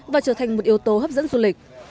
và trở thành một yếu tố hấp dẫn du lịch